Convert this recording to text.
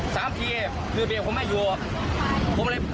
แต่เขาไม่ยอมถอย